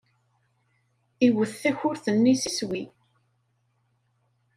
Iwet takurt-nni s iswi.